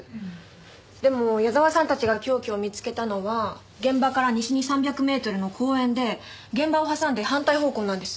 でも矢沢さんたちが凶器を見つけたのは現場から西に３００メートルの公園で現場を挟んで反対方向なんです。